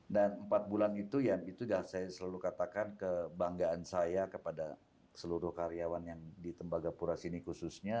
dan empat bulan itu ya itu saya selalu katakan kebanggaan saya kepada seluruh karyawan yang di tembagapura sini khususnya